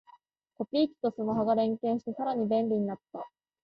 コピー機とスマホが連携してさらに便利になった